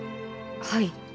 はい。